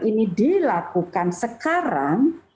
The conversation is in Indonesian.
ini dilakukan sekarang